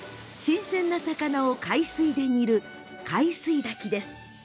新鮮な魚を海水で煮る海水炊きです。